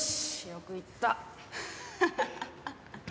よく言った。